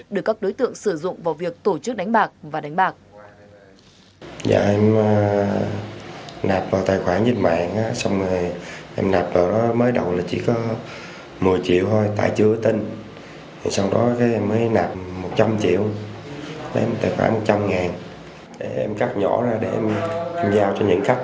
được các đối tượng sử dụng vào việc tổ chức đánh bạc và đánh bạc